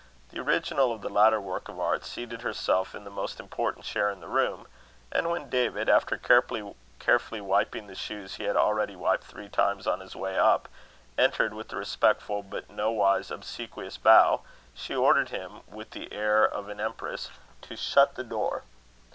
The original of the latter work of art seated herself in the most important chair in the room; and when David, after carefully wiping the shoes he had already wiped three times on his way up, entered with a respectful but no wise obsequious bow, she ordered him, with the air of an empress, to shut the door.